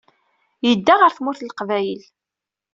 Yedda ɣer Tmurt n Leqbayel.